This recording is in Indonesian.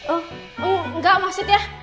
oh enggak maksudnya